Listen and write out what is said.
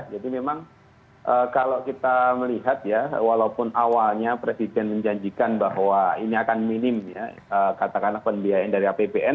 jadi memang kalau kita melihat ya walaupun awalnya presiden menjanjikan bahwa ini akan minim katakanlah pembiayaan dari apbn